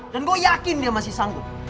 dan gue yakin dia masih sanggup